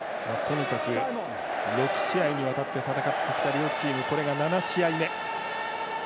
６試合にわたって戦ってきた両チーム、これが７試合目。